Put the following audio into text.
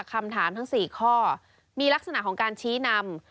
คำถามทั้ง๔ข้อมีลักษณะของการชี้นำ